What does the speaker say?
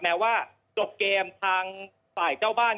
แม้ว่าจบเกมทางฝ่ายเจ้าบ้าน